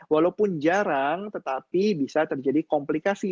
walaupun jarang tetapi bisa terjadi komplikasi